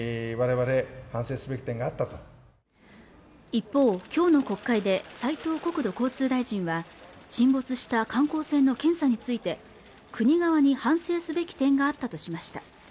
一方今日の国会で斉藤国土交通大臣は沈没した観光船の検査について国側に反省すべき点があったとしました